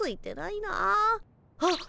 あっ！